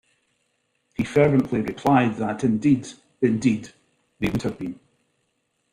He fervently replied that indeed indeed they would have been.